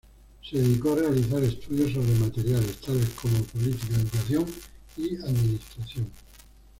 Se dedicó a realizar estudios sobre materias tales como política, educación y administración.